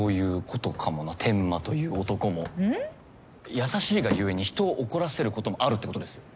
優しいがゆえに人を怒らせることもあるってことですよ。